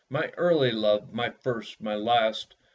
My early love! my first, my last!